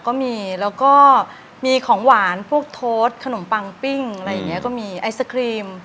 ก็มีแล้วก็มีของหวานพวกโทสขนมปังปิ้งอะไรอย่างนี้ก็มีไอศครีม